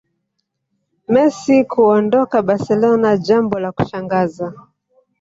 Messi kuondoka barcelona jambo la kushangaza